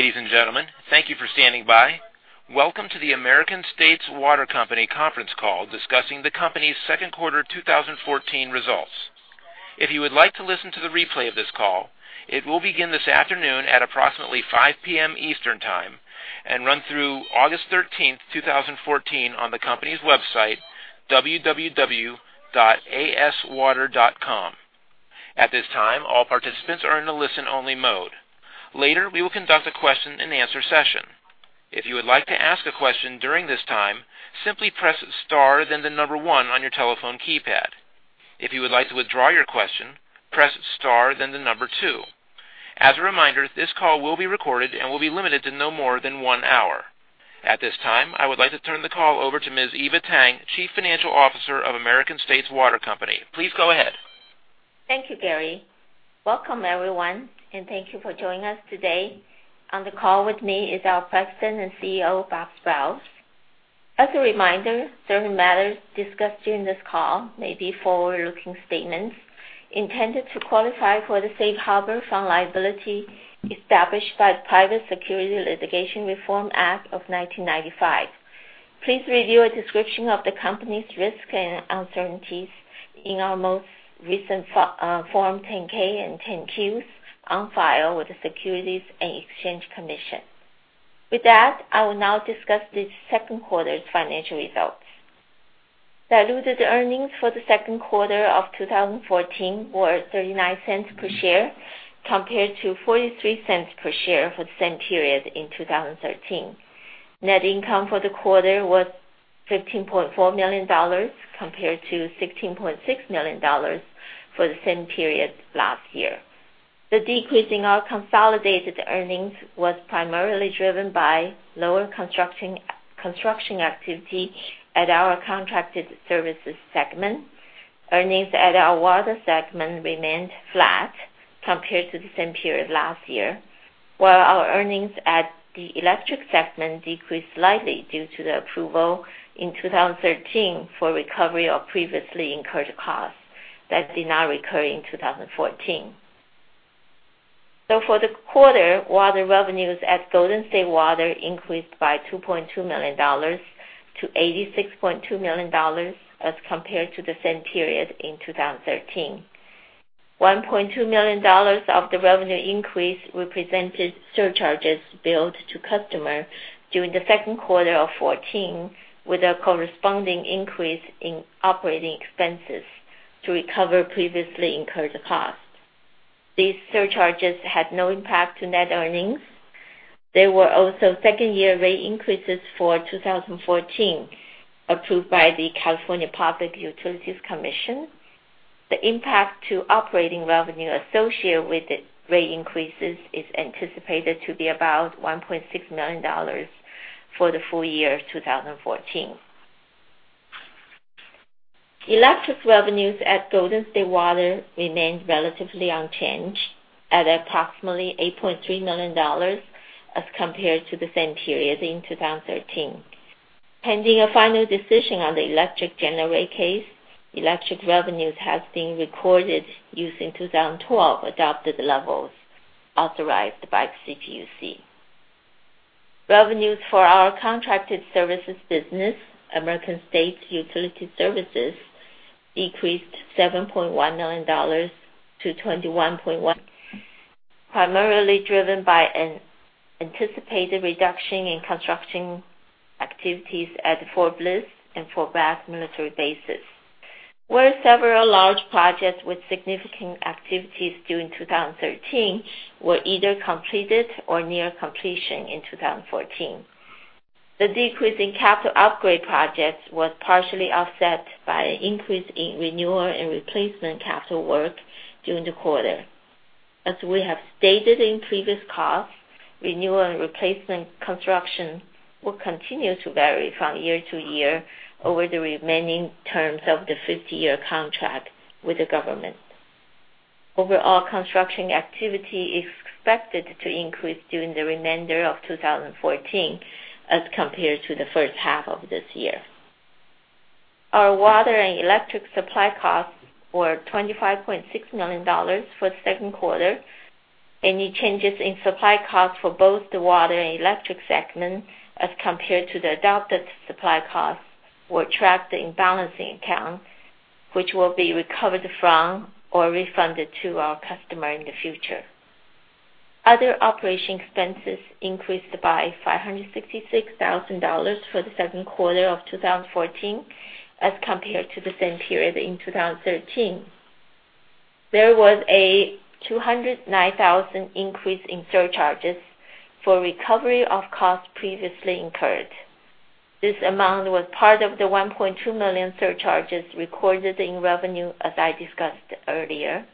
Ladies and gentlemen, thank you for standing by. Welcome to the American States Water Company conference call discussing the company's second quarter 2014 results. If you would like to listen to the replay of this call, it will begin this afternoon at approximately 5:00 P.M. Eastern Time and run through August 13th, 2014 on the company's website, www.aswater.com. At this time, all participants are in a listen-only mode. Later, we will conduct a question and answer session. If you would like to ask a question during this time, simply press star then the number 1 on your telephone keypad. If you would like to withdraw your question, press star then the number 2. As a reminder, this call will be recorded and will be limited to no more than one hour. At this time, I would like to turn the call over to Ms. Eva Tang, Chief Financial Officer of American States Water Company. Please go ahead. Thank you, Gary. Welcome everyone, and thank you for joining us today. On the call with me is our President and CEO, Bob Sprowls. As a reminder, certain matters discussed during this call may be forward-looking statements intended to qualify for the safe harbor from liability established by the Private Securities Litigation Reform Act of 1995. Please review a description of the company's risks and uncertainties in our most recent Form 10-K and 10-Qs on file with the Securities and Exchange Commission. With that, I will now discuss this second quarter's financial results. Diluted earnings for the second quarter of 2014 were $0.39 per share, compared to $0.43 per share for the same period in 2013. Net income for the quarter was $15.4 million compared to $16.6 million for the same period last year. The decrease in our consolidated earnings was primarily driven by lower construction activity at our contracted services segment. Earnings at our water segment remained flat compared to the same period last year, while our earnings at the electric segment decreased slightly due to the approval in 2013 for recovery of previously incurred costs that did not recur in 2014. For the quarter, water revenues at Golden State Water increased by $2.2 million to $86.2 million as compared to the same period in 2013. $1.2 million of the revenue increase represented surcharges billed to customers during the second quarter of 2014, with a corresponding increase in operating expenses to recover previously incurred costs. These surcharges had no impact on net earnings. There were also second-year rate increases for 2014 approved by the California Public Utilities Commission. The impact to operating revenue associated with the rate increases is anticipated to be about $1.6 million for the full year 2014. Electric revenues at Golden State Water remained relatively unchanged at approximately $8.3 million as compared to the same period in 2013. Pending a final decision on the electric generate case, electric revenues have been recorded using 2012 adopted levels authorized by CPUC. Revenues for our contracted services business, American States Utility Services, decreased $7.1 million to $21.1, primarily driven by an anticipated reduction in construction activities at Fort Bliss and Fort Bragg military bases, where several large projects with significant activities during 2013 were either completed or near completion in 2014. The decrease in capital upgrade projects was partially offset by an increase in renewal and replacement capital work during the quarter. As we have stated in previous calls, renewal and replacement construction will continue to vary from year to year over the remaining terms of the 50-year contract with the government. Overall construction activity is expected to increase during the remainder of 2014 as compared to the first half of this year. Our water and electric supply costs were $25.6 million for the second quarter. Any changes in supply costs for both the water and electric segments as compared to the adopted supply costs were tracked in balancing accounts, which will be recovered from or refunded to our customer in the future. Other operation expenses increased by $566,000 for the second quarter of 2014 as compared to the same period in 2013. There was a $209,000 increase in surcharges for recovery of costs previously incurred. This amount was part of the $1.2 million surcharges recorded in revenue as I discussed earlier.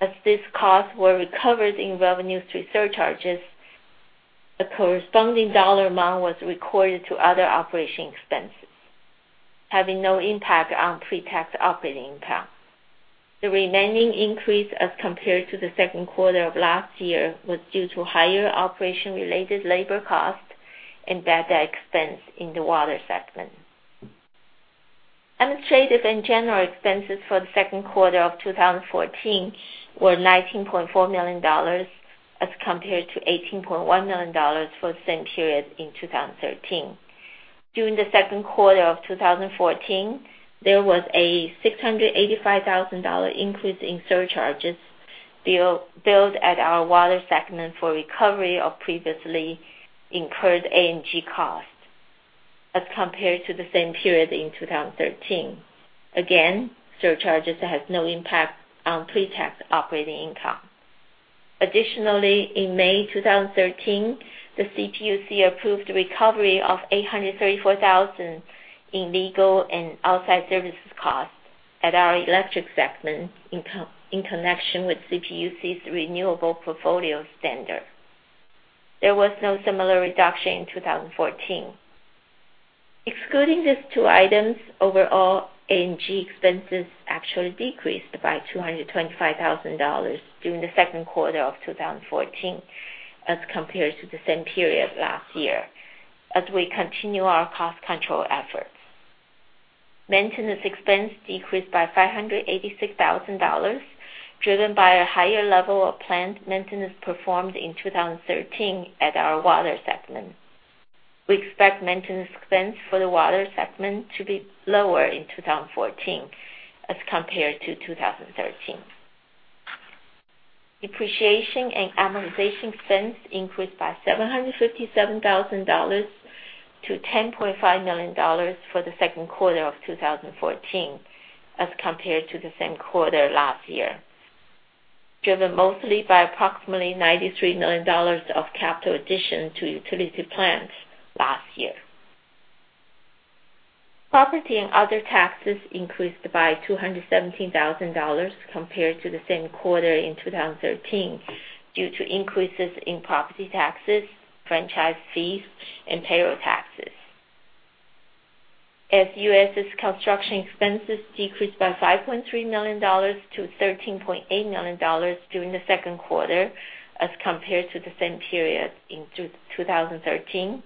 As these costs were recovered in revenues through surcharges, the corresponding dollar amount was recorded to other operation expenses, having no impact on pre-tax operating income. The remaining increase as compared to the second quarter of last year was due to higher operation-related labor costs and bad debt expense in the water segment. Administrative and general expenses for the second quarter of 2014 were $19.4 million as compared to $18.1 million for the same period in 2013. During the second quarter of 2014, there was a $685,000 increase in surcharges billed at our water segment for recovery of previously incurred A&G costs as compared to the same period in 2013. Again, surcharges has no impact on pre-tax operating income. Additionally, in May 2013, the CPUC approved recovery of $834,000 in legal and outside services costs at our electric segment in connection with CPUC's Renewable Portfolio Standard. There was no similar reduction in 2014. Excluding these two items, overall A&G expenses actually decreased by $225,000 during the second quarter of 2014 as compared to the same period last year as we continue our cost control efforts. Maintenance expense decreased by $586,000, driven by a higher level of planned maintenance performed in 2013 at our water segment. We expect maintenance expense for the water segment to be lower in 2014 as compared to 2013. Depreciation and amortization expense increased by $757,000 to $10.5 million for the second quarter of 2014 as compared to the same quarter last year, driven mostly by approximately $93 million of capital addition to utility plans last year. Property and other taxes increased by $217,000 compared to the same quarter in 2013 due to increases in property taxes, franchise fees, and payroll taxes. ASUS's construction expenses decreased by $5.3 million to $13.8 million during the second quarter as compared to the same period in 2013,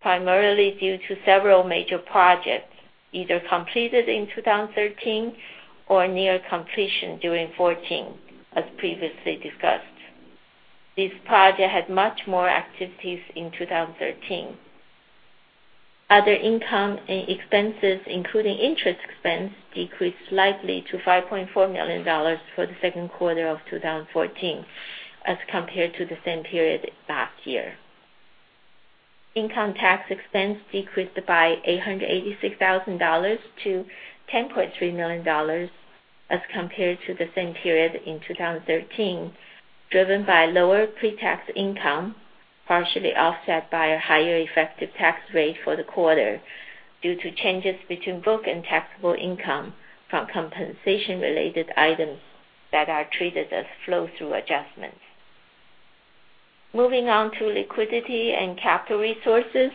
primarily due to several major projects either completed in 2013 or near completion during 2014, as previously discussed. This project had much more activities in 2013. Other income and expenses, including interest expense, decreased slightly to $5.4 million for the second quarter of 2014 as compared to the same period last year. Income tax expense decreased by $886,000 to $10.3 million as compared to the same period in 2013, driven by lower pre-tax income, partially offset by a higher effective tax rate for the quarter due to changes between book and taxable income from compensation-related items that are treated as flow-through adjustments. Moving on to liquidity and capital resources.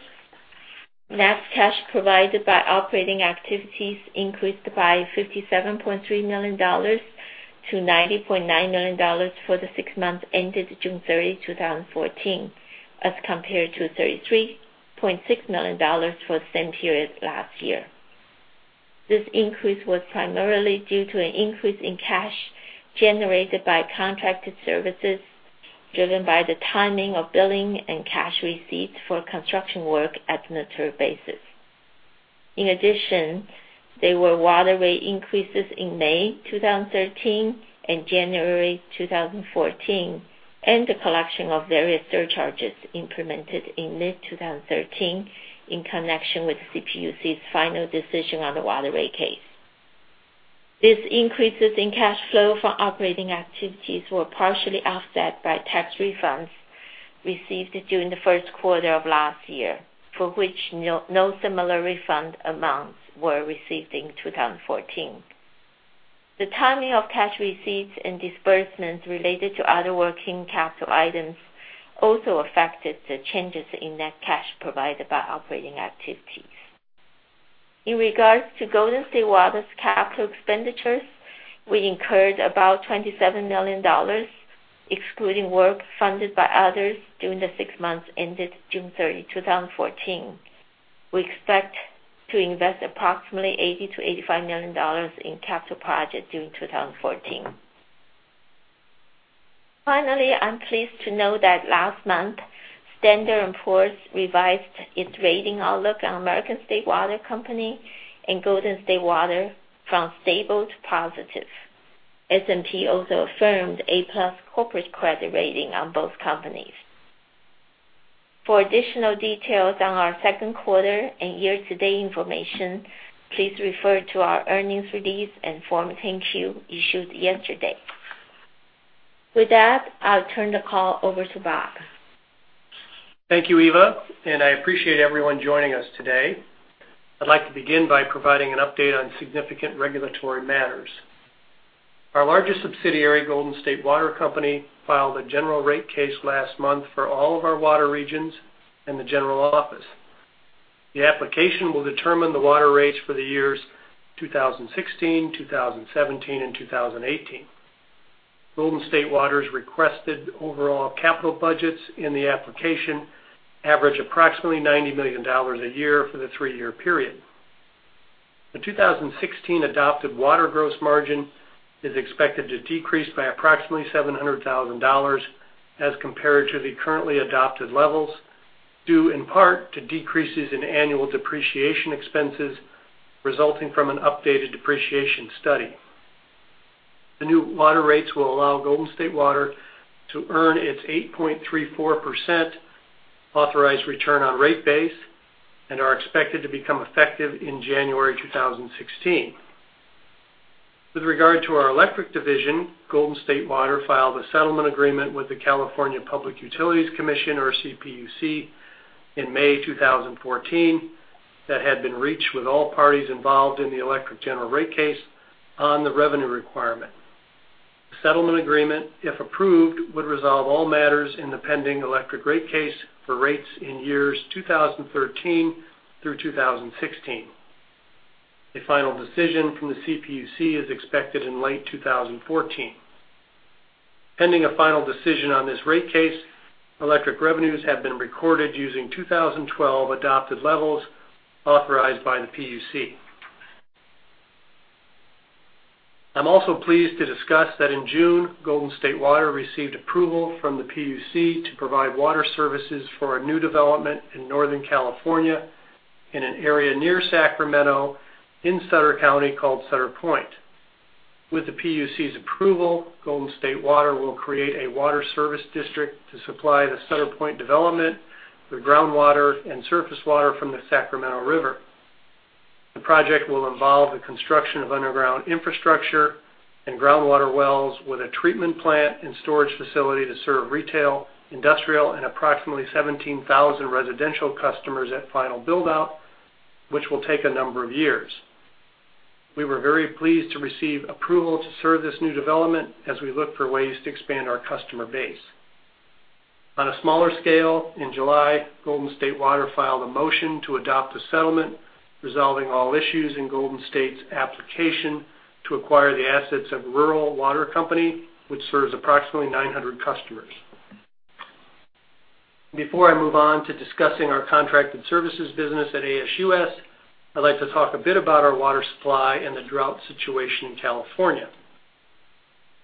Net cash provided by operating activities increased by $57.3 million to $90.9 million for the six months ended June 30, 2014, as compared to $33.6 million for the same period last year. This increase was primarily due to an increase in cash generated by contracted services, driven by the timing of billing and cash receipts for construction work at an interim basis. In addition, there were water rate increases in May 2013 and January 2014, and the collection of various surcharges implemented in mid-2013 in connection with CPUC's final decision on the water rate case. These increases in cash flow from operating activities were partially offset by tax refunds received during the first quarter of last year, for which no similar refund amounts were received in 2014. The timing of cash receipts and disbursements related to other working capital items also affected the changes in net cash provided by operating activities. In regards to Golden State Water's capital expenditures, we incurred about $27 million, excluding work funded by others during the six months ended June 30, 2014. We expect to invest approximately $80 million-$85 million in capital projects during 2014. Finally, I'm pleased to note that last month, Standard & Poor's revised its rating outlook on American States Water Company and Golden State Water from stable to positive. S&P also affirmed A+ corporate credit rating on both companies. For additional details on our second quarter and year-to-date information, please refer to our earnings release and Form 10-Q issued yesterday. With that, I'll turn the call over to Rob. Thank you, Eva, I appreciate everyone joining us today. I'd like to begin by providing an update on significant regulatory matters. Our largest subsidiary, Golden State Water Company, filed a general rate case last month for all of our water regions and the general office. The application will determine the water rates for the years 2016, 2017, and 2018. Golden State Water's requested overall capital budgets in the application average approximately $90 million a year for the three-year period. The 2016 adopted water gross margin is expected to decrease by approximately $700,000 as compared to the currently adopted levels, due in part to decreases in annual depreciation expenses resulting from an updated depreciation study. The new water rates will allow Golden State Water to earn its 8.34% authorized return on rate base and are expected to become effective in January 2016. With regard to our electric division, Golden State Water filed a settlement agreement with the California Public Utilities Commission, or CPUC, in May 2014 that had been reached with all parties involved in the electric general rate case on the revenue requirement. The settlement agreement, if approved, would resolve all matters in the pending electric rate case for rates in years 2013 through 2016. A final decision from the CPUC is expected in late 2014. Pending a final decision on this rate case, electric revenues have been recorded using 2012 adopted levels authorized by the PUC. I'm also pleased to discuss that in June, Golden State Water received approval from the PUC to provide water services for a new development in Northern California in an area near Sacramento in Sutter County called Sutter Pointe. With the PUC's approval, Golden State Water will create a water service district to supply the Sutter Pointe development with groundwater and surface water from the Sacramento River. The project will involve the construction of underground infrastructure and groundwater wells with a treatment plant and storage facility to serve retail, industrial, and approximately 17,000 residential customers at final build-out, which will take a number of years. We were very pleased to receive approval to serve this new development as we look for ways to expand our customer base. On a smaller scale, in July, Golden State Water filed a motion to adopt a settlement resolving all issues in Golden State's application to acquire the assets of Rural Water Company, which serves approximately 900 customers. Before I move on to discussing our contracted services business at ASUS, I'd like to talk a bit about our water supply and the drought situation in California.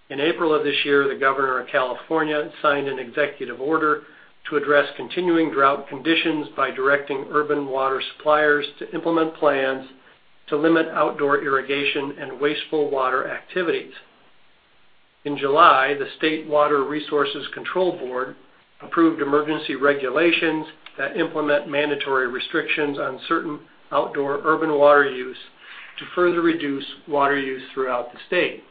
In April of this year, the Governor of California signed an executive order to address continuing drought conditions by directing urban water suppliers to implement plans to limit outdoor irrigation and wasteful water activities. In July, the State Water Resources Control Board approved emergency regulations that implement mandatory restrictions on certain outdoor urban water use to further reduce water use throughout the state.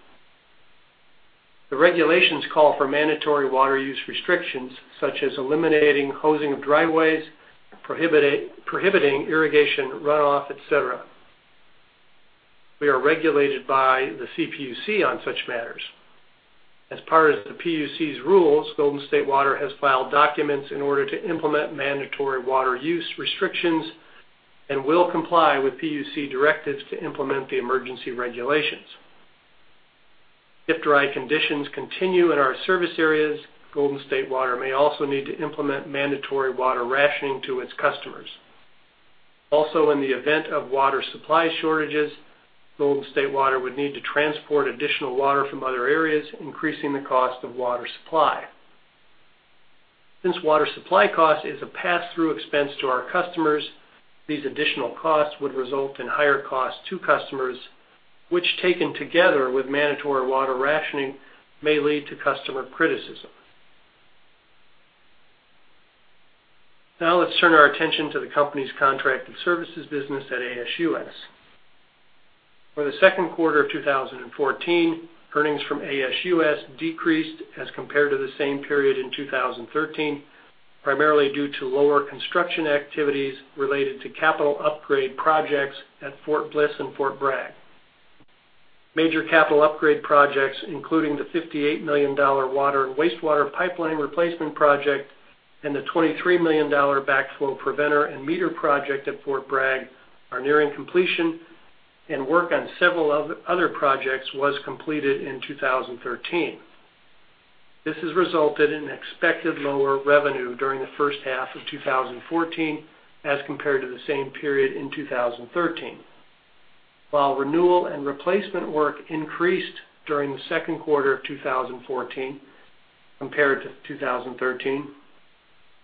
The regulations call for mandatory water use restrictions, such as eliminating hosing of driveways, prohibiting irrigation runoff, et cetera. We are regulated by the CPUC on such matters. As part of the PUC's rules, Golden State Water has filed documents in order to implement mandatory water use restrictions and will comply with PUC directives to implement the emergency regulations. If dry conditions continue in our service areas, Golden State Water may also need to implement mandatory water rationing to its customers. Also, in the event of water supply shortages, Golden State Water would need to transport additional water from other areas, increasing the cost of water supply. Since water supply cost is a pass-through expense to our customers, these additional costs would result in higher costs to customers, which taken together with mandatory water rationing, may lead to customer criticism. Now let's turn our attention to the company's contracted services business at ASUS. For the second quarter of 2014, earnings from ASUS decreased as compared to the same period in 2013, primarily due to lower construction activities related to capital upgrade projects at Fort Bliss and Fort Bragg. Major capital upgrade projects, including the $58 million water and wastewater pipeline replacement project and the $23 million backflow preventer and meter project at Fort Bragg are nearing completion, and work on several other projects was completed in 2013. This has resulted in expected lower revenue during the first half of 2014 as compared to the same period in 2013. While renewal and replacement work increased during the second quarter of 2014 compared to 2013,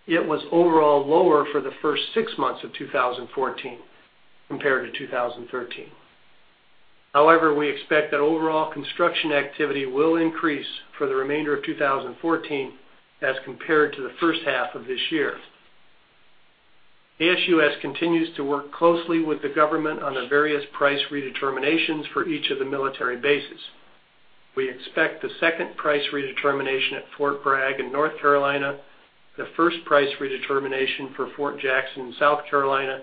it was overall lower for the first six months of 2014 compared to 2013. We expect that overall construction activity will increase for the remainder of 2014 as compared to the first half of this year. ASUS continues to work closely with the government on the various price redeterminations for each of the military bases. We expect the second price redetermination at Fort Bragg in North Carolina, the first price redetermination for Fort Jackson in South Carolina,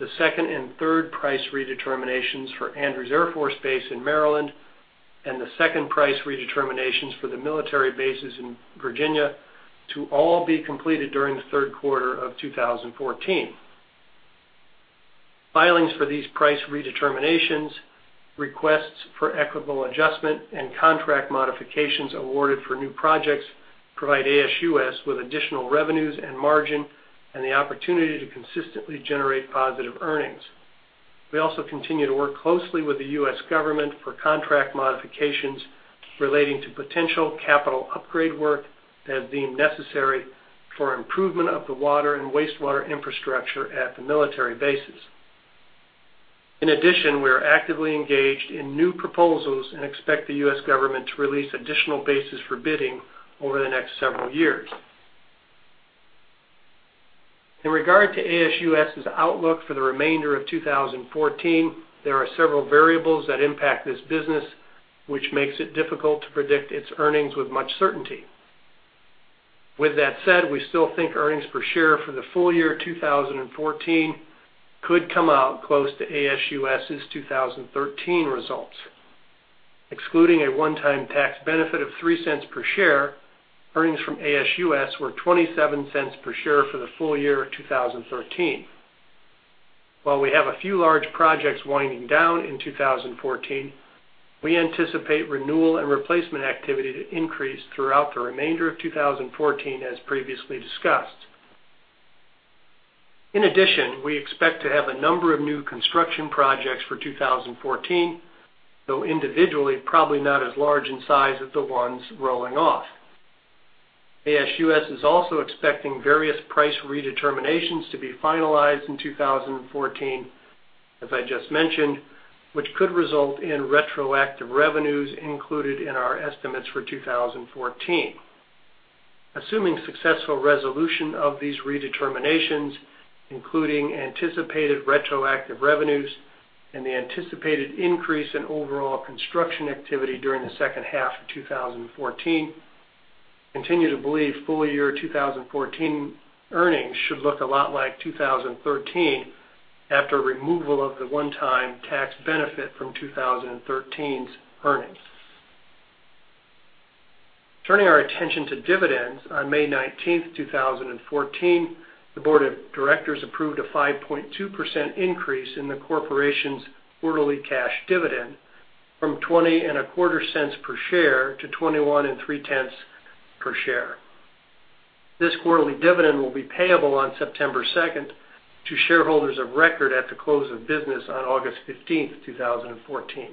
the second and third price redeterminations for Andrews Air Force Base in Maryland, and the second price redeterminations for the military bases in Virginia to all be completed during the third quarter of 2014. Filings for these price redeterminations, requests for equitable adjustment, and contract modifications awarded for new projects provide ASUS with additional revenues and margin and the opportunity to consistently generate positive earnings. We also continue to work closely with the U.S. government for contract modifications relating to potential capital upgrade work that is deemed necessary for improvement of the water and wastewater infrastructure at the military bases. We are actively engaged in new proposals and expect the U.S. government to release additional bases for bidding over the next several years. In regard to ASUS's outlook for the remainder of 2014, there are several variables that impact this business, which makes it difficult to predict its earnings with much certainty. With that said, we still think earnings per share for the full year 2014 could come out close to ASUS's 2013 results. Excluding a one-time tax benefit of $0.03 per share, earnings from ASUS were $0.27 per share for the full year 2013. While we have a few large projects winding down in 2014, we anticipate renewal and replacement activity to increase throughout the remainder of 2014, as previously discussed. We expect to have a number of new construction projects for 2014, though individually, probably not as large in size as the ones rolling off. ASUS is also expecting various price redeterminations to be finalized in 2014, as I just mentioned, which could result in retroactive revenues included in our estimates for 2014. Assuming successful resolution of these redeterminations, including anticipated retroactive revenues and the anticipated increase in overall construction activity during the second half of 2014, we continue to believe full year 2014 earnings should look a lot like 2013 after removal of the one-time tax benefit from 2013's earnings. Turning our attention to dividends, on May 19th, 2014, the board of directors approved a 5.2% increase in the corporation's quarterly cash dividend from $0.2025 per share to $0.2130 per share. This quarterly dividend will be payable on September 2nd to shareholders of record at the close of business on August 15th, 2014.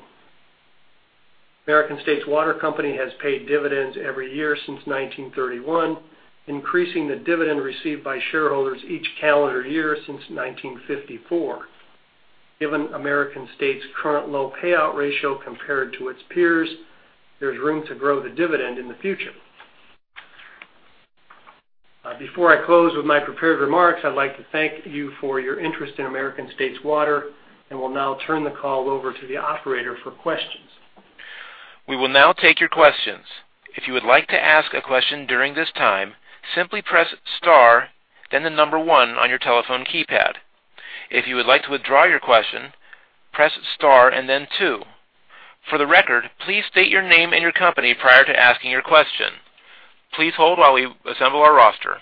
American States Water Company has paid dividends every year since 1931, increasing the dividend received by shareholders each calendar year since 1954. Given American States' current low payout ratio compared to its peers, there's room to grow the dividend in the future. Before I close with my prepared remarks, I'd like to thank you for your interest in American States Water and will now turn the call over to the operator for questions. We will now take your questions. If you would like to ask a question during this time, simply press star, then the number 1 on your telephone keypad. If you would like to withdraw your question, press star, and then two. For the record, please state your name and your company prior to asking your question. Please hold while we assemble our roster.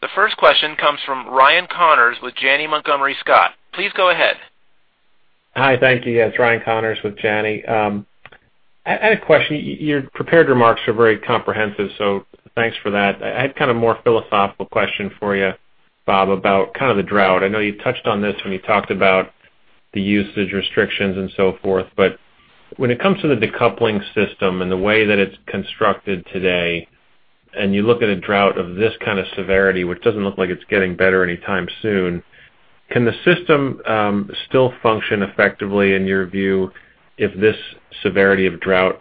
The first question comes from Ryan Connors with Janney Montgomery Scott. Please go ahead. Hi. Thank you. Yes, Ryan Connors with Janney. I had a question. Your prepared remarks are very comprehensive, so thanks for that. I had kind of more philosophical question for you, Bob, about the drought. I know you touched on this when you talked about the usage restrictions and so forth, but when it comes to the decoupling system and the way that it's constructed today, and you look at a drought of this kind of severity, which doesn't look like it's getting better anytime soon, can the system still function effectively in your view, if this severity of drought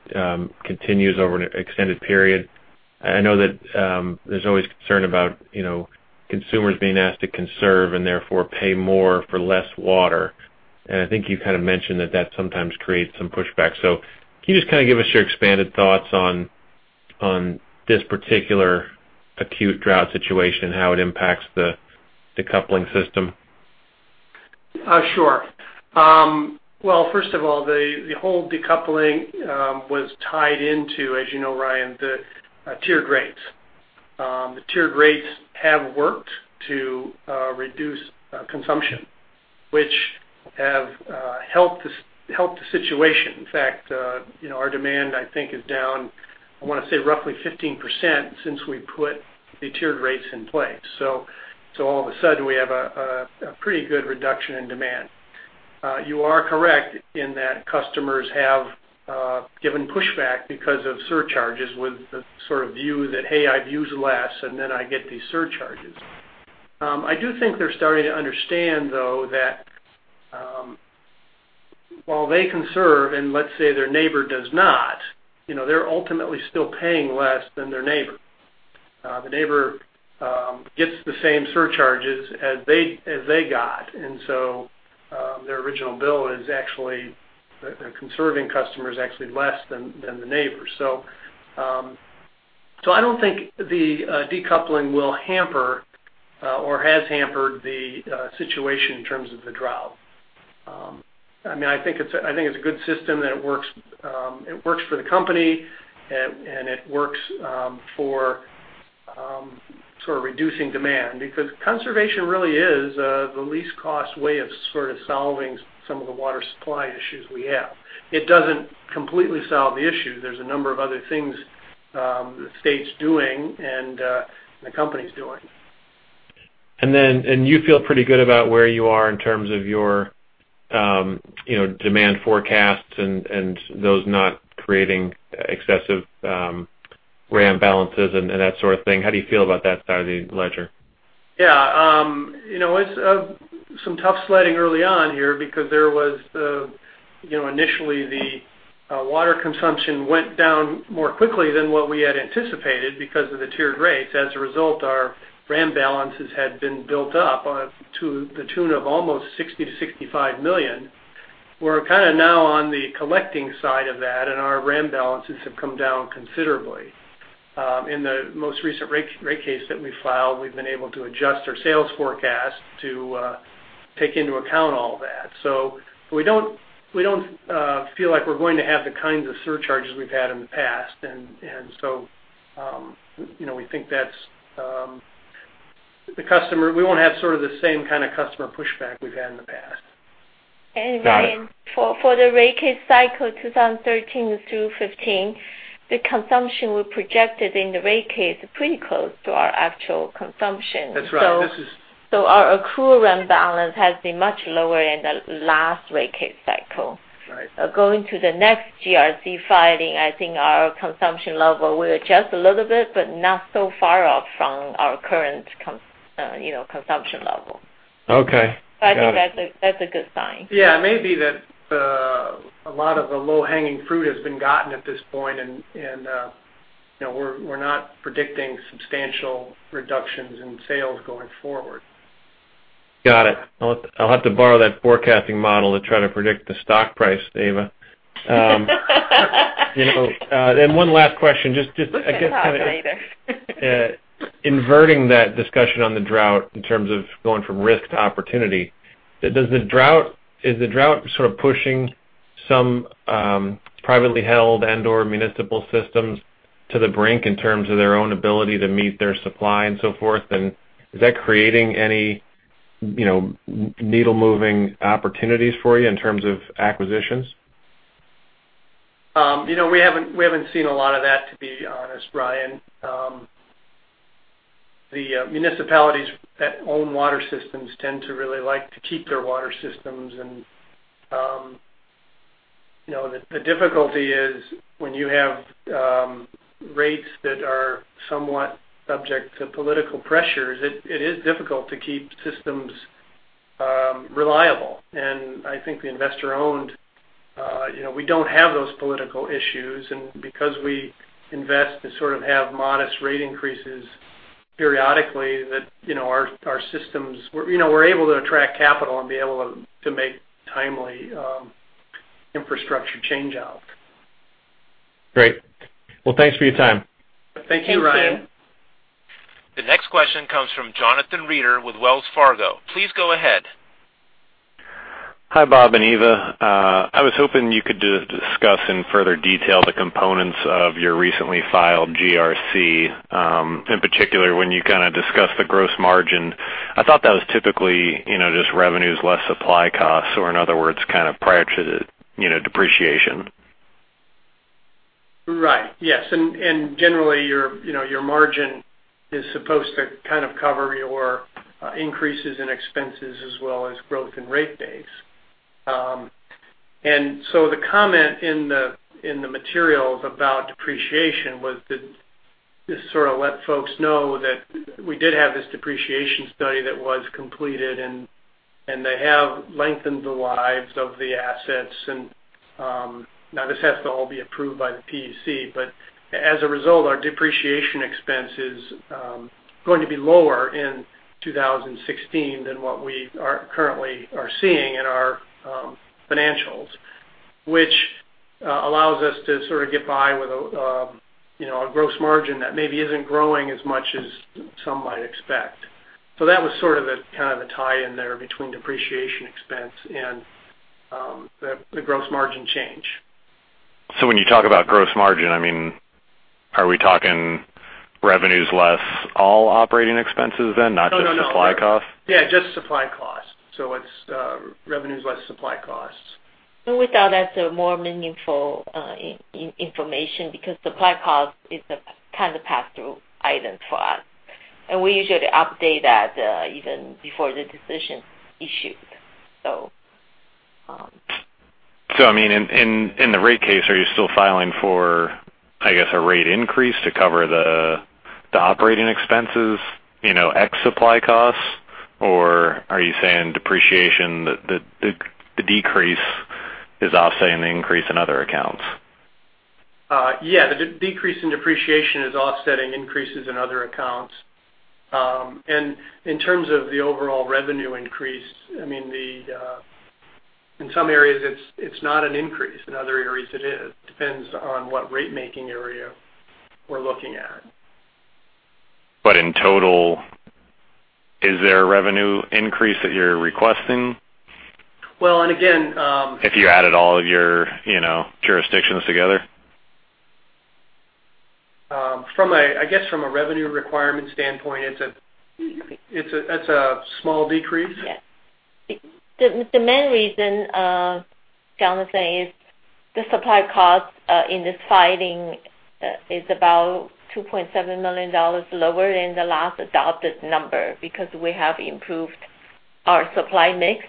continues over an extended period? I know that there's always concern about consumers being asked to conserve and therefore pay more for less water, and I think you mentioned that that sometimes creates some pushback. Can you just give us your expanded thoughts on this particular acute drought situation, how it impacts the decoupling system? Well, first of all, the whole decoupling was tied into, as you know, Ryan, the tiered rates. The tiered rates have worked to reduce consumption, which have helped the situation. In fact, our demand, I think is down, I want to say roughly 15% since we put the tiered rates in place. All of a sudden, we have a pretty good reduction in demand. You are correct in that customers have given pushback because of surcharges with the sort of view that, "Hey, I've used less, and then I get these surcharges." I do think they're starting to understand, though, that while they conserve and let's say their neighbor does not, they're ultimately still paying less than their neighbor. The neighbor gets the same surcharges as they got, their original bill is actually, the conserving customer is actually less than the neighbor's. I don't think the decoupling will hamper or has hampered the situation in terms of the drought. I think it's a good system and it works for the company, and it works for reducing demand because conservation really is the least cost way of solving some of the water supply issues we have. It doesn't completely solve the issue. There's a number of other things the state's doing and the company's doing. You feel pretty good about where you are in terms of your demand forecasts and those not creating excessive RAM balances and that sort of thing. How do you feel about that side of the ledger? It's some tough sledding early on here because initially the water consumption went down more quickly than what we had anticipated because of the tiered rates. As a result, our RAM balances had been built up to the tune of almost $60 million-$65 million. Our RAM balances have come down considerably. In the most recent rate case that we filed, we've been able to adjust our sales forecast to take into account all that. We don't feel like we're going to have the kinds of surcharges we've had in the past. We think that we won't have the same customer pushback we've had in the past. Got it. Ryan, for the rate case cycle 2013 through 2015, the consumption we projected in the rate case is pretty close to our actual consumption. That's right. Our accrual run balance has been much lower than the last rate case cycle. Right. Going to the next GRC filing, I think our consumption level will adjust a little bit, but not so far off from our current consumption level. Okay. Got it. I think that's a good sign. Yeah. It may be that a lot of the low-hanging fruit has been gotten at this point, and we're not predicting substantial reductions in sales going forward. Got it. I'll have to borrow that forecasting model to try to predict the stock price, Eva. One last question. We'll talk later. Inverting that discussion on the drought in terms of going from risk to opportunity, is the drought sort of pushing some privately held and/or municipal systems to the brink in terms of their own ability to meet their supply and so forth? Is that creating any needle moving opportunities for you in terms of acquisitions? We haven't seen a lot of that, to be honest, Ryan. The municipalities that own water systems tend to really like to keep their water systems, and the difficulty is when you have rates that are somewhat subject to political pressures, it is difficult to keep systems reliable. I think the investor-owned, we don't have those political issues, and because we invest and have modest rate increases periodically that our systems, we're able to attract capital and be able to make timely infrastructure change out. Great. Well, thanks for your time. Thank you, Ryan. Thanks. The next question comes from Jonathan Reeder with Wells Fargo. Please go ahead. Hi, Bob and Eva. I was hoping you could discuss in further detail the components of your recently filed GRC, in particular, when you discussed the gross margin. I thought that was typically, just revenues less supply costs, or in other words, prior to the depreciation. Right. Yes, generally, your margin is supposed to cover your increases in expenses as well as growth in rate base. The comment in the materials about depreciation was to just let folks know that we did have this depreciation study that was completed, and they have lengthened the lives of the assets. Now this has to all be approved by the PUC, but as a result, our depreciation expense is going to be lower in 2016 than what we currently are seeing in our financials, which allows us to get by with a gross margin that maybe isn't growing as much as some might expect. That was the tie in there between depreciation expense and the gross margin change. When you talk about gross margin, are we talking revenues less all operating expenses then, not just- No. -supply costs? Yeah, just supply costs. It's revenues less supply costs. We thought that's a more meaningful information because supply cost is a pass-through item for us, and we usually update that even before the decision issued. In the rate case, are you still filing for, I guess, a rate increase to cover the operating expenses, x supply costs? Are you saying depreciation, the decrease is offsetting the increase in other accounts? Yeah, the decrease in depreciation is offsetting increases in other accounts. In terms of the overall revenue increase, in some areas it's not an increase. In other areas, it is. Depends on what rate-making area we're looking at. In total, is there a revenue increase that you're requesting? Well. If you added all of your jurisdictions together I guess from a revenue requirement standpoint, it's a small decrease. Yeah. The main reason, Jonathan, is the supply cost in this filing is about $2.7 million lower than the last adopted number, because we have improved our supply mix.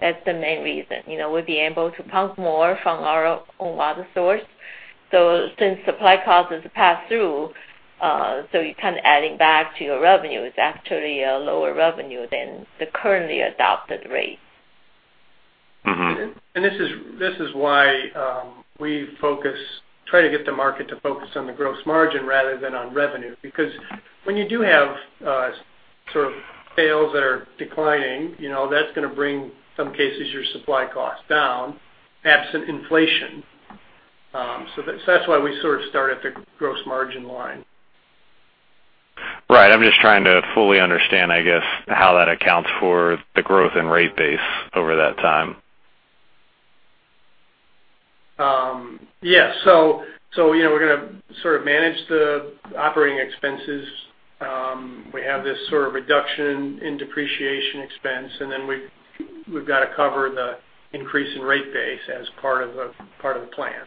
That's the main reason. We'll be able to pump more from our own water source. Since supply cost is a pass-through, so you're adding back to your revenue, it's actually a lower revenue than the currently adopted rate. This is why we try to get the market to focus on the gross margin rather than on revenue. When you do have sales that are declining, that's going to bring, in some cases, your supply cost down, absent inflation. That's why we start at the gross margin line. Right. I'm just trying to fully understand, I guess, how that accounts for the growth in rate base over that time. Yes. We're going to manage the operating expenses. We have this reduction in depreciation expense, then we've got to cover the increase in rate base as part of the plan.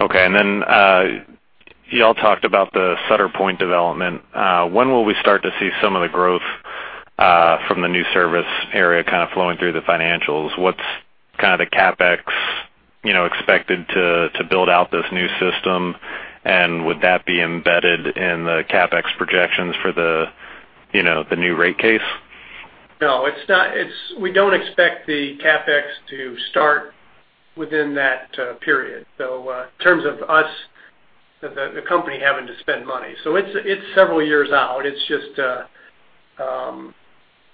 Okay. You all talked about the Sutter Pointe development. When will we start to see some of the growth from the new service area flowing through the financials? What's the CapEx expected to build out this new system? Would that be embedded in the CapEx projections for the new rate case? No. We don't expect the CapEx to start within that period, in terms of us, the company, having to spend money. It's several years out.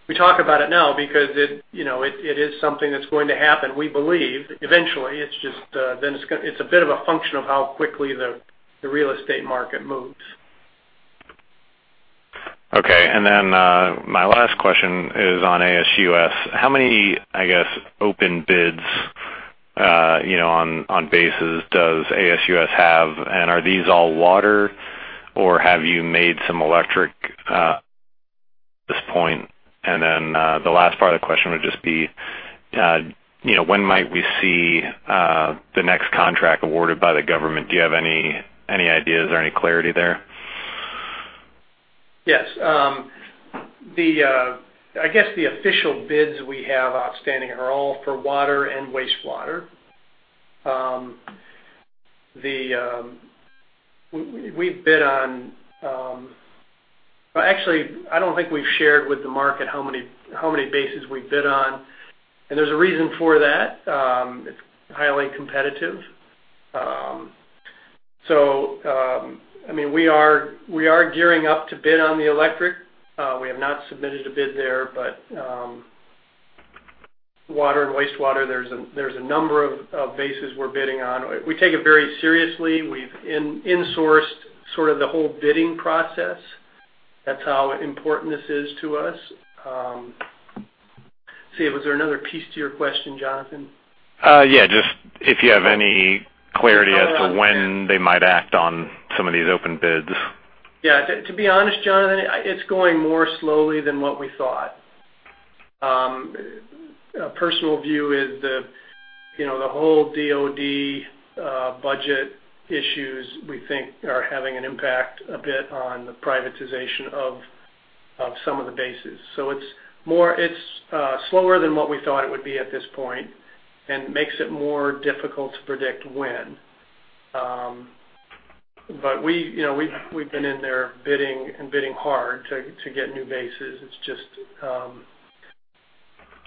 We talk about it now because it is something that's going to happen, we believe, eventually. It's a bit of a function of how quickly the real estate market moves. Okay. My last question is on ASUS. How many, I guess, open bids on bases does ASUS have? Are these all water, or have you made some electric at this point? The last part of the question would just be, when might we see the next contract awarded by the government? Do you have any ideas or any clarity there? Yes. I guess the official bids we have outstanding are all for water and wastewater. Actually, I don't think we've shared with the market how many bases we bid on, there's a reason for that. It's highly competitive. We are gearing up to bid on the electric. We have not submitted a bid there, water and wastewater, there's a number of bases we're bidding on. We take it very seriously. We've in-sourced the whole bidding process. That's how important this is to us. Let's see, was there another piece to your question, Jonathan? Yeah, just if you have any clarity as to when they might act on some of these open bids. Yeah. To be honest, Jonathan, it's going more slowly than what we thought. A personal view is the whole DOD budget issues, we think, are having an impact a bit on the privatization of some of the bases. It's slower than what we thought it would be at this point, and makes it more difficult to predict when. We've been in there bidding, and bidding hard, to get new bases.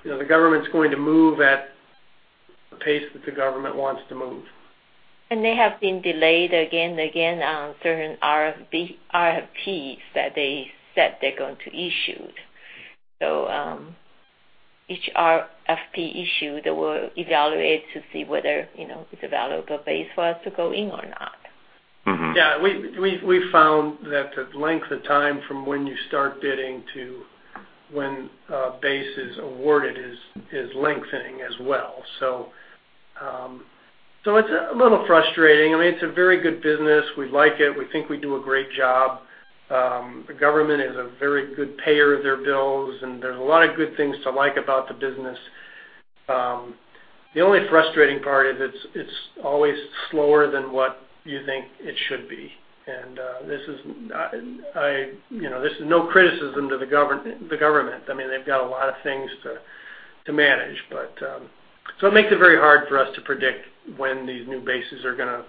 The government's going to move at the pace that the government wants to move. They have been delayed again and again on certain RFPs that they said they're going to issue. Each RFP issued, they will evaluate to see whether it's a valuable base for us to go in or not. Yeah. We've found that the length of time from when you start bidding to when a base is awarded is lengthening as well. It's a little frustrating. It's a very good business. We like it. We think we do a great job. The government is a very good payer of their bills, and there's a lot of good things to like about the business. The only frustrating part is it's always slower than what you think it should be. This is no criticism to the government. They've got a lot of things to manage. It makes it very hard for us to predict when these new bases are going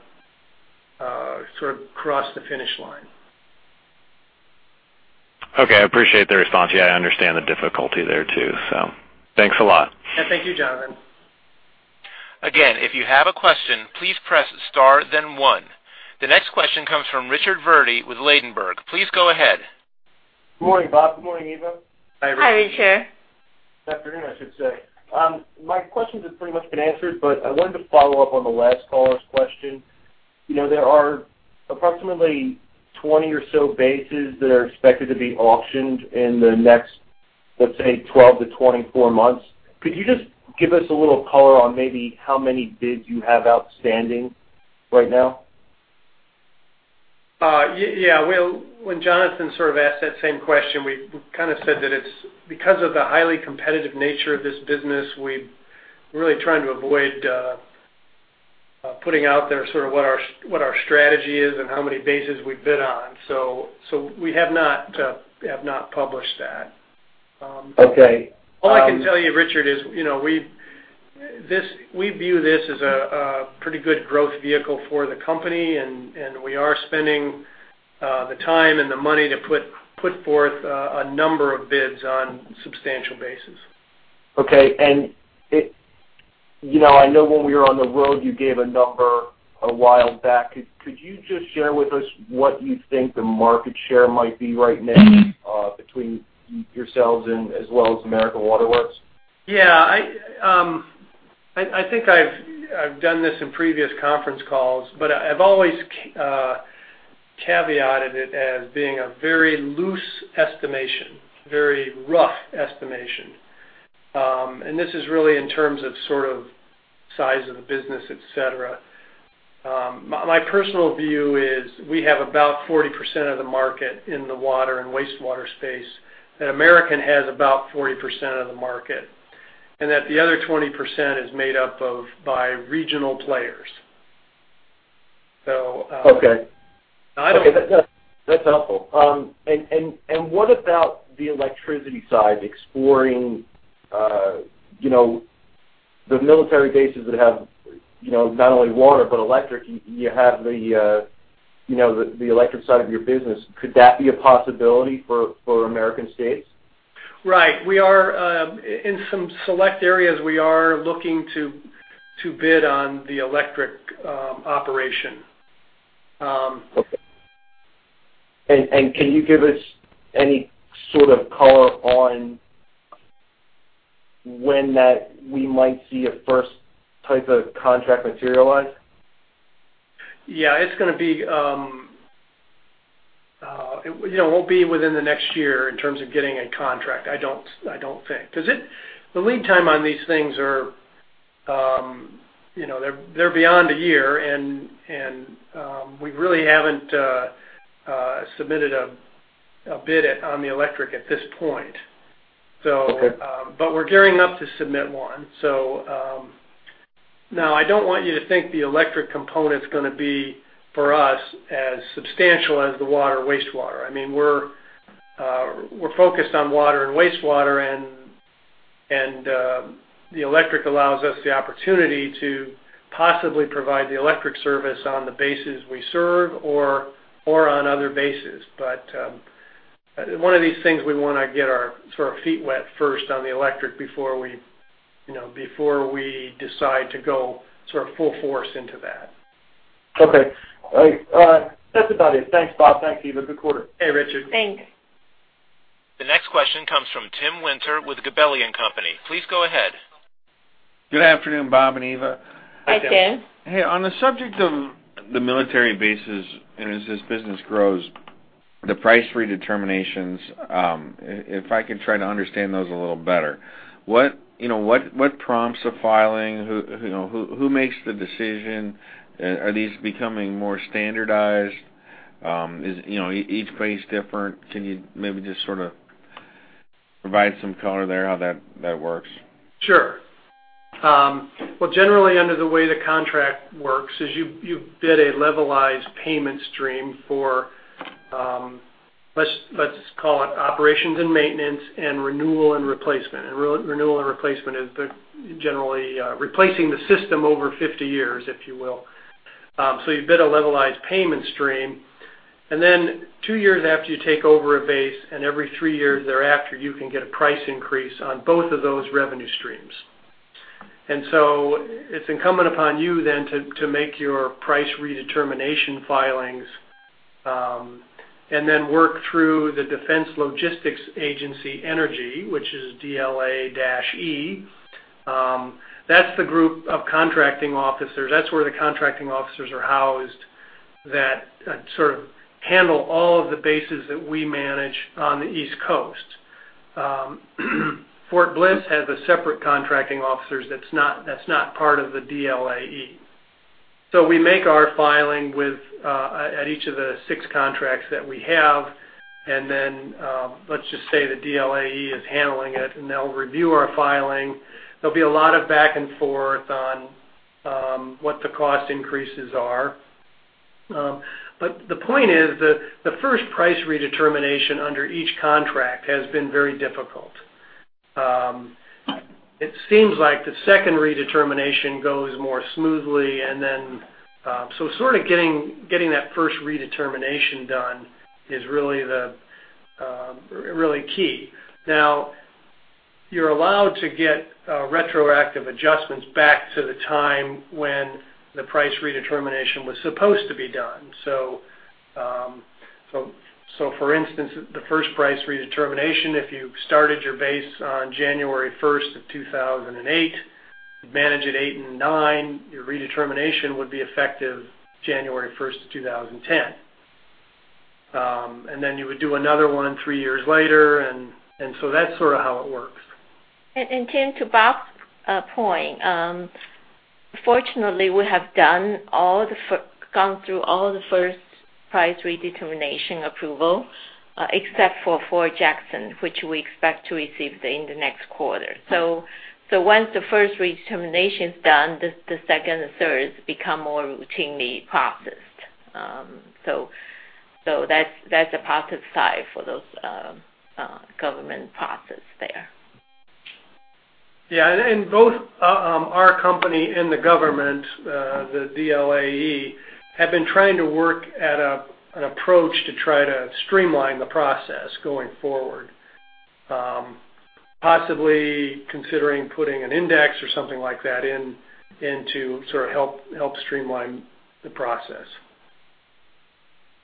to cross the finish line. Okay. I appreciate the response. Yeah, I understand the difficulty there, too. Thanks a lot. Yeah. Thank you, Jonathan. Again, if you have a question, please press star then one. The next question comes from Richard Verdi with Ladenburg. Please go ahead. Good morning, Bob. Good morning, Eva. Hi, Richard. Hi, Richard. Good afternoon, I should say. My questions have pretty much been answered, but I wanted to follow up on the last caller's question. There are approximately 20 or so bases that are expected to be auctioned in the next, let's say, 12 to 24 months. Could you just give us a little color on maybe how many bids you have outstanding right now? Yeah. When Jonathan sort of asked that same question, we kind of said that it's because of the highly competitive nature of this business, we're really trying to avoid putting out there sort of what our strategy is and how many bases we bid on. We have not published that. Okay. All I can tell you, Richard, is we view this as a pretty good growth vehicle for the company, and we are spending the time and the money to put forth a number of bids on substantial bases. Okay. I know when we were on the road, you gave a number a while back. Could you just share with us what you think the market share might be right now between yourselves and as well as American Water Works? Yeah. I think I've done this in previous conference calls, but I've always caveated it as being a very loose estimation, very rough estimation. This is really in terms of size of the business, et cetera. My personal view is we have about 40% of the market in the water and wastewater space, that American has about 40% of the market, and that the other 20% is made up of by regional players. Okay. I don't know. That's helpful. What about the electricity side, exploring the military bases that have not only water, but electric, you have the electric side of your business, could that be a possibility for American States? Right. In some select areas, we are looking to bid on the electric operation. Okay. Can you give us any sort of color on when that we might see a first type of contract materialize? Yeah, it won't be within the next year in terms of getting a contract, I don't think. The lead time on these things are, they're beyond a year, and we really haven't submitted a bid on the electric at this point. Okay. We're gearing up to submit one. Now, I don't want you to think the electric component's gonna be for us as substantial as the water, wastewater. We're focused on water and wastewater, and the electric allows us the opportunity to possibly provide the electric service on the bases we serve or on other bases. One of these things we wanna get our feet wet first on the electric before we decide to go full force into that. Okay. All right. That's about it. Thanks, Bob. Thanks, Eva. Good quarter. Hey, Richard. Thanks. The next question comes from Timothy Winter with Gabelli & Company. Please go ahead. Good afternoon, Bob and Eva. Hi, Tim. Hey, on the subject of the military bases, as this business grows, the price redeterminations, if I could try to understand those a little better. What prompts a filing? Who makes the decision? Are these becoming more standardized? Each base different? Can you maybe just sort of provide some color there how that works? Sure. Generally under the way the contract works is you bid a levelized payment stream for, let's call it operations and maintenance and renewal and replacement. Renewal and replacement is the generally replacing the system over 50 years, if you will. You bid a levelized payment stream, then 2 years after you take over a base and every 3 years thereafter, you can get a price increase on both of those revenue streams. It's incumbent upon you then to make your price redetermination filings, then work through the Defense Logistics Agency Energy, which is DLA-E. That's the group of contracting officers. That's where the contracting officers are housed, that sort of handle all of the bases that we manage on the East Coast. Fort Bliss has a separate contracting officers that's not part of the DLA-E. We make our filing at each of the 6 contracts that we have, then, let's just say the DLA-E is handling it, and they'll review our filing. There'll be a lot of back and forth on what the cost increases are. The point is that the first price redetermination under each contract has been very difficult. It seems like the second redetermination goes more smoothly, then, sort of getting that first redetermination done is really key. You're allowed to get retroactive adjustments back to the time when the price redetermination was supposed to be done. For instance, the first price redetermination, if you started your base on January 1st, 2008, manage it 2008 and 2009, your redetermination would be effective January 1st, 2010. Then you would do another one 3 years later and so that's sort of how it works. To Bob's point, fortunately, we have gone through all the first price redetermination approval except for Fort Jackson, which we expect to receive it in the next quarter. Once the first redetermination's done, the second and third become more routinely processed. That's a positive side for those government process there. Yeah. Both our company and the government, the DLA-E, have been trying to work at an approach to try to streamline the process going forward. Possibly considering putting an index or something like that in to sort of help streamline the process.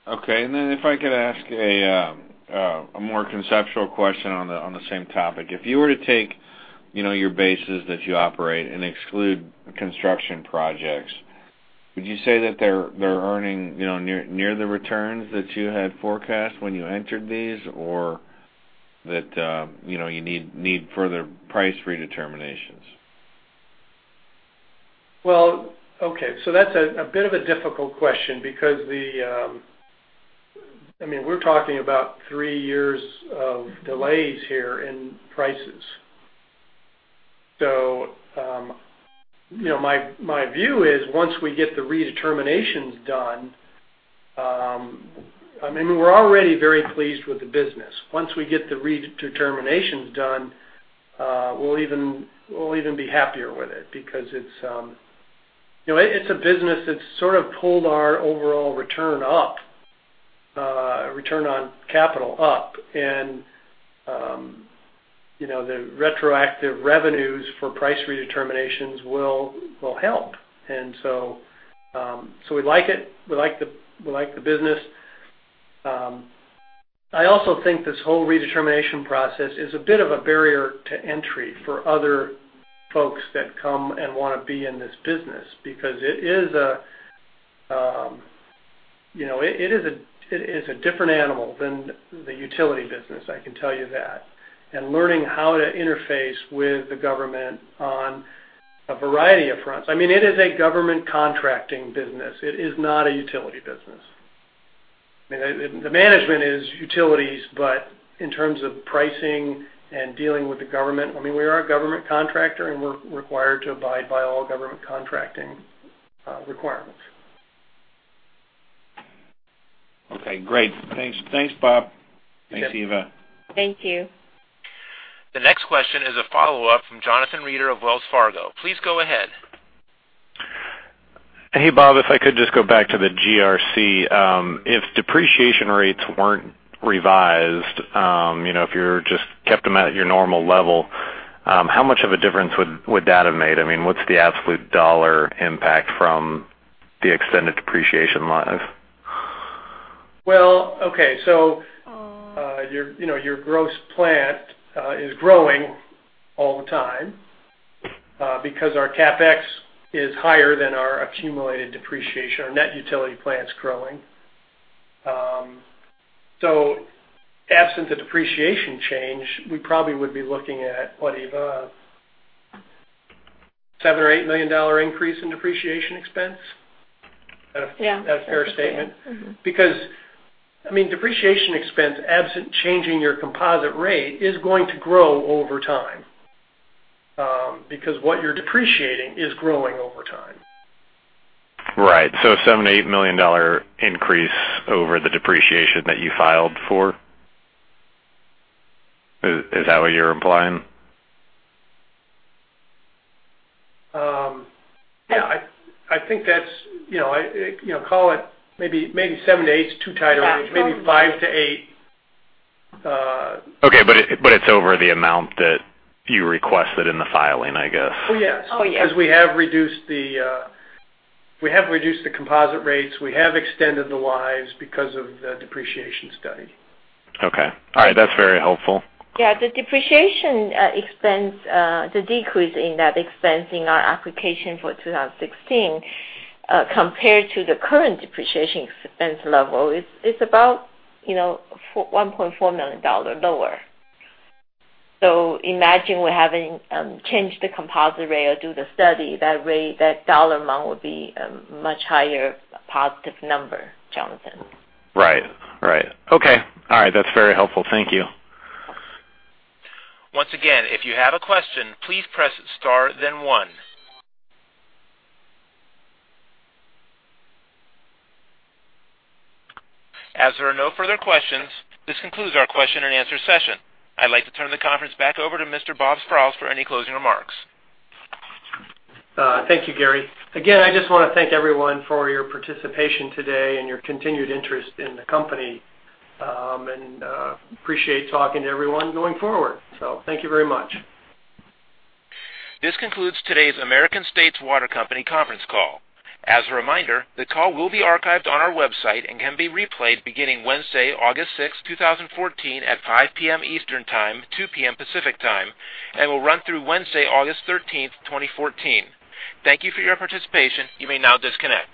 Okay. If I could ask a more conceptual question on the same topic. If you were to take your bases that you operate and exclude construction projects, would you say that they're earning near the returns that you had forecast when you entered these, or that you need further price redeterminations? Well, okay, that's a bit of a difficult question because, we're talking about three years of delays here in prices. My view is once we get the redeterminations done, we're already very pleased with the business. Once we get the redeterminations done, we'll even be happier with it because it's a business that's sort of pulled our overall return on capital up and the retroactive revenues for price redeterminations will help. We like it. We like the business. I also think this whole redetermination process is a bit of a barrier to entry for other folks that come and want to be in this business because it is a different animal than the utility business, I can tell you that. Learning how to interface with the government on a variety of fronts. It is a government contracting business. It is not a utility business. The management is utilities, but in terms of pricing and dealing with the government, we are a government contractor, and we're required to abide by all government contracting requirements. Okay, great. Thanks, Bob. Thanks, Eva. Thank you. The next question is a follow-up from Jonathan Reeder of Wells Fargo. Please go ahead. Hey, Bob, if I could just go back to the GRC. If depreciation rates weren't revised, if you just kept them at your normal level, how much of a difference would that have made? What's the absolute dollar impact from the extended depreciation life? Well, okay. Your gross plant is growing all the time, because our CapEx is higher than our accumulated depreciation. Our net utility plant's growing. Absent a depreciation change, we probably would be looking at what, Eva? seven or $8 million increase in depreciation expense? Yeah. Is that a fair statement? Depreciation expense, absent changing your composite rate, is going to grow over time, because what you're depreciating is growing over time. Right. $7 million, $8 million increase over the depreciation that you filed for? Is that what you're implying? Yeah. Call it maybe $7 million-$8 million is too tight a range. Maybe $5 million-$8 million. Okay, it's over the amount that you requested in the filing, I guess. Oh, yes. Oh, yes. We have reduced the composite rates, we have extended the lives because of the depreciation study. Okay. All right. That's very helpful. Yeah, the depreciation expense, the decrease in that expense in our application for 2016, compared to the current depreciation expense level, is about $1.4 million lower. Imagine we haven't changed the composite rate or do the study, that dollar amount would be a much higher positive number, Jonathan. Right. Okay. All right. That's very helpful. Thank you. Once again, if you have a question, please press star then one. As there are no further questions, this concludes our question and answer session. I'd like to turn the conference back over to Mr. Robert Sprowls for any closing remarks. Thank you, Gary. Again, I just want to thank everyone for your participation today and your continued interest in the company. Appreciate talking to everyone going forward. Thank you very much. This concludes today's American States Water Company conference call. As a reminder, the call will be archived on our website and can be replayed beginning Wednesday, August 6th, 2014, at 5:00 P.M. Eastern Time, 2:00 P.M. Pacific Time, and will run through Wednesday, August 13th, 2014. Thank you for your participation. You may now disconnect.